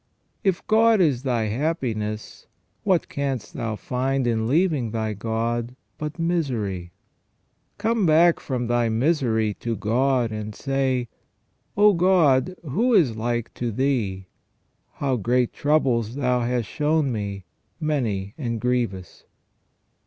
If God is thy happiness, what canst thou find in leaving thy God but misery ? Come back from thy misery to God, and say : Oh ! God, who is like to Thee ? How great troubles Thou hast shown me, many and grievous."